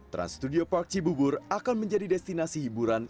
trans studio park cibubur akan menjadi destinasi hiburan